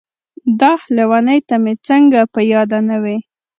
داح لېونۍ ته مې څنګه په ياده نه وې.